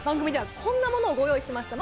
番組ではこんなものをご用意しました。